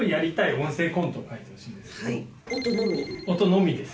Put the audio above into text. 音のみです。